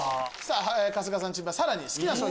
春日さんチームはさらに。